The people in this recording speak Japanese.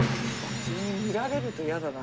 見られると嫌だな。